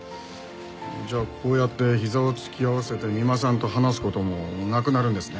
じゃあこうやってひざを突き合わせて三馬さんと話す事もなくなるんですね。